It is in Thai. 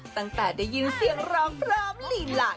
ตั้งแต่ได้ยินเสียงร้องพร้อมลีลา